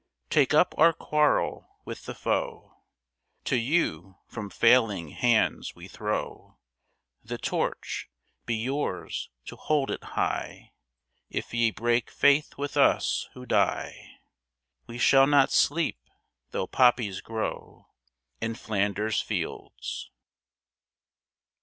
Take up our quarrel with the foe: To you from failing hands we throw The Torch: be yours to hold it high! If ye break faith with us who die We shall not sleep, though poppies grow In Flanders fields.